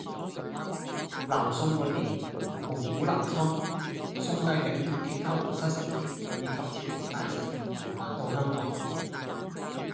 南宋末年，蒙古南侵，宋帝昺同其它皇室成員以及朝廷大臣逃難到香港